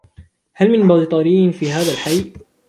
هل من بيطريّ في هذا الحيّ ؟